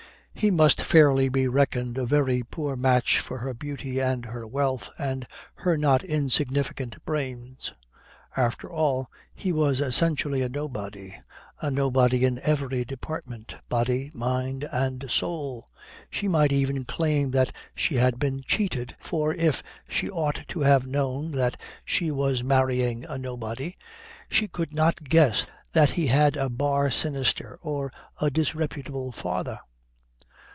He must fairly be reckoned a very poor match for her beauty and her wealth and her not insignificant brains. After all, he was essentially a nobody a nobody in every department, body, mind, and soul. She might even claim that she had been cheated, for if she ought to have known that she was marrying a nobody, she could not guess that he had a bar sinister or a disreputable father.